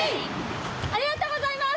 ありがとうございます。